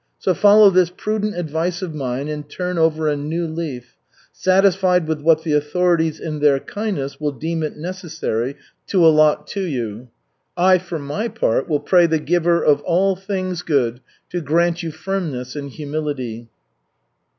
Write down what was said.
So follow this prudent advice of mine and turn over a new leaf, satisfied with what the authorities, in their kindness, will deem it necessary to allot to you. I, for my part, will pray the Giver of all things good to grant you firmness and humility.